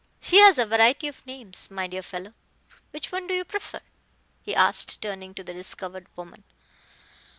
She has a variety of names, my dear fellow. Which one do you prefer?" he asked, turning to the discovered woman.